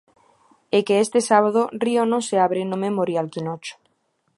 E que este sábado Río non se abre no Memorial Quinocho.